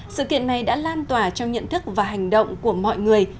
sự kiện này đã lan tỏa trong nhận thức và hành động của mọi người